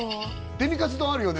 デミカツ丼あるよね？